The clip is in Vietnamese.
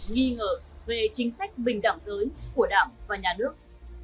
nghi ngờ về chính sách bình đẳng giới của đảng và nhà nước